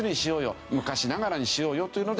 昔ながらにしようよというので。